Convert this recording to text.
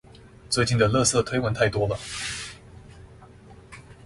最近的垃圾推文太多了